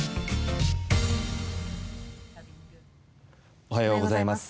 おはようございます。